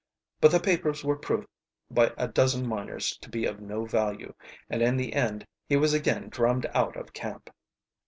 But the papers were proved by a dozen miners to be of no value, and in the end he was again drummed out of camp.